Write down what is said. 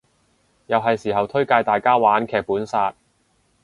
又係時候推介大家玩劇本殺